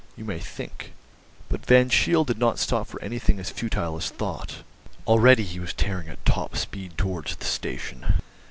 You may think—" But Van Cheele did not stop for anything as futile as thought. Already he was tearing at top speed towards the station.